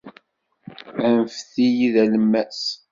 Anfet-iyi d alemmas